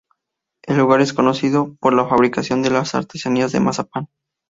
El lugar es conocido por la fabricación de Artesanías de Mazapán.